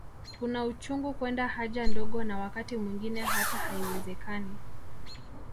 Kuna uchungu kwenda haja ndogo na wakati mwingine hata haiwezekani